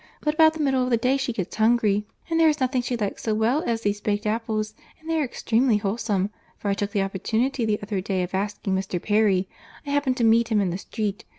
But about the middle of the day she gets hungry, and there is nothing she likes so well as these baked apples, and they are extremely wholesome, for I took the opportunity the other day of asking Mr. Perry; I happened to meet him in the street.